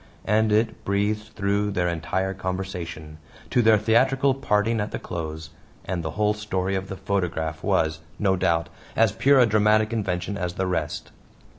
and it breathed through their entire conversation to their theatrical parting at the close! And the whole story of the photograph was, no doubt, as pure a dramatic invention as the rest!